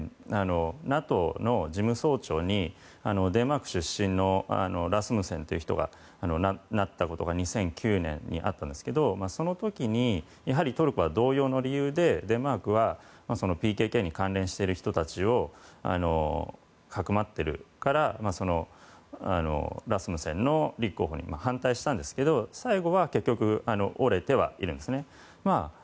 以前、ＮＡＴＯの事務総長にデンマーク出身のラスムセンという人がなったということが２００９年にあったんですけどその時にトルコは同様の理由でデンマークはＰＫＫに関連している人たちをかくまっているからラスムセンの立候補に反対したんですけど最後は結局折れてはいるんです。